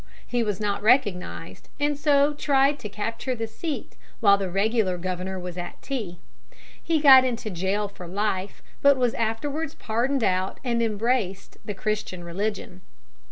He was not recognized, and so tried to capture the seat while the regular governor was at tea. He got into jail for life, but was afterwards pardoned out and embraced the Christian religion.